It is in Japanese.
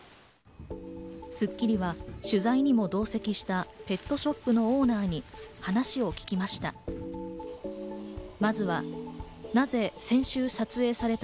『スッキリ』は取材にも同席したペットショップのオーナーに話を聞きました。